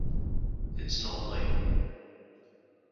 It’s not late.